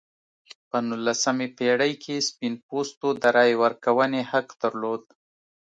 په نولسمې پېړۍ کې سپین پوستو د رایې ورکونې حق درلود.